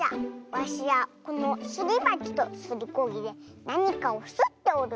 わしはこのすりばちとすりこぎでなにかをすっておる。